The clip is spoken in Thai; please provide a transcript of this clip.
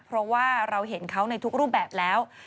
เพราะว่าเราเห็นเขาในทุกรูปแบบแล้ว